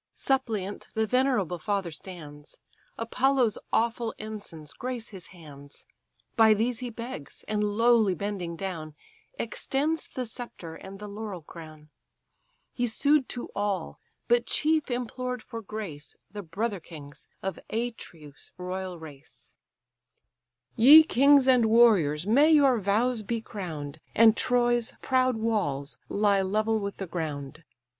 Suppliant the venerable father stands; Apollo's awful ensigns grace his hands: By these he begs; and lowly bending down, Extends the sceptre and the laurel crown. He sued to all, but chief implored for grace The brother kings, of Atreus' royal race "Ye kings and warriors! may your vows be crown'd, And Troy's proud walls lie level with the ground.